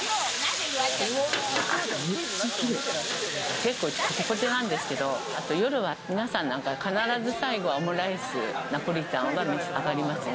結構コテコテなんですけど、夜は皆さん、必ず最後はオムライス、ナポリタン、召し上がりますね。